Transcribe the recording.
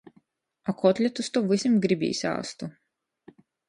A kotletus to vysim grybīs āstu.